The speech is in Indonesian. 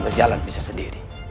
berjalan bisa sendiri